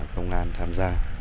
công an tham gia